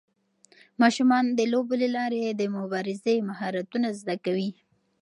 ماشومان د لوبو له لارې د مبارزې مهارتونه زده کوي.